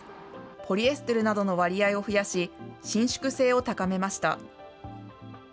ポリエステルなどの割合を増やし、伸縮性を高めました。